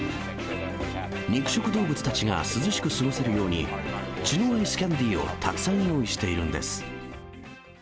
肉食動物たちが涼しく過ごせるように、血のアイスキャンディーをたくさん用意しているんです。